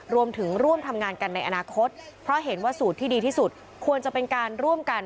รวมถึงร่วมทำงานกันในอนาคตเพราะเห็นว่าสูตรที่ดีที่สุดควรจะเป็นการร่วมกัน